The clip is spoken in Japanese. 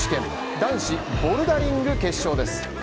男子ボルダリング決勝です。